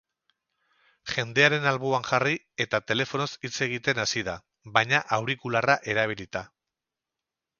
Jendearen alboan jarri eta telefonoz hitz egiten hasi da, baina aurikularra erabilita.